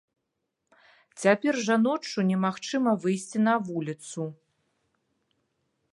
Цяпер жа ноччу немагчыма выйсці на вуліцу.